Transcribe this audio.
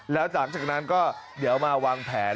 แล้วหลังจากนั้นก็เดี๋ยวมาวางแผน